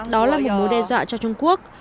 đó là một mối đe dọa cho trung quốc